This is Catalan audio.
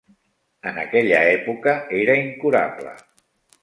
En aquella època era incurable.